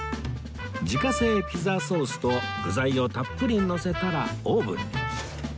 自家製ピザソースと具材をたっぷりのせたらオーブンに